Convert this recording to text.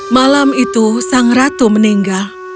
malam itu sang ratu meninggal